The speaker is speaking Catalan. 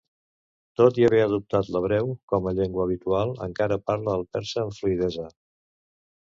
Tot i haver adoptat l'hebreu com a llengua habitual, encara parla el persa amb fluïdesa.